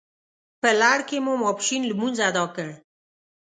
په لړ کې مو ماپښین لمونځ اداء کړ.